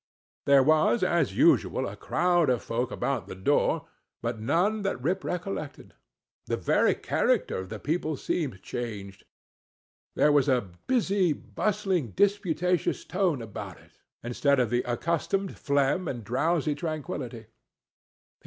There was, as usual, a crowd of folk about the door, but none that Rip recollected. The very character of the people seemed changed. There was a busy, bustling, disputatious tone about it, instead of the accustomed phlegm and drowsy tranquillity.